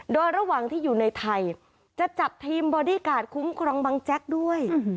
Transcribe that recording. โดยระหว่างที่อยู่ในไทยจะจัดทีมบอดี้การ์ดคุ้มครองบังแจ๊กด้วย